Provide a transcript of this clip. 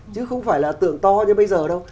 chứ không phải là tưởng to như bây giờ đâu